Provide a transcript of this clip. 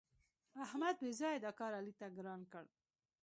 احمد بېځآیه دا کار علي ته ګران کړ.